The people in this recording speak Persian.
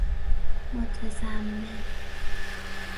متضمن